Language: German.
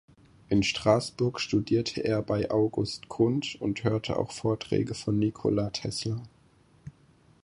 In Straßburg studierte er bei August Kundt und hörte auch Vorträge von Nikola Tesla.